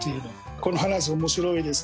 この話面白いです。